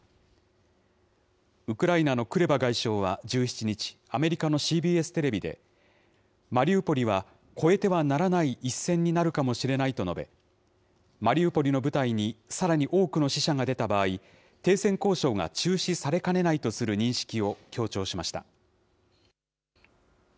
ウクライナのクレバ外相は１７日、アメリカのＣＢＳテレビで、マリウポリは越えてはならない一線になるかもしれないと述べ、マリウポリの部隊にさらに多くの死者が出た場合、停戦交渉が中止されかねないとする認識を強調しました。